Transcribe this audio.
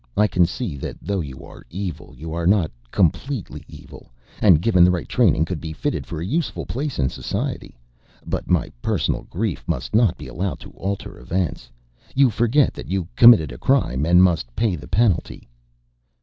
I can see that though you are evil you are not completely evil, and given the right training could be fitted for a useful place in society. But my personal grief must not be allowed to alter events: you forget that you committed a crime and must pay the penalty."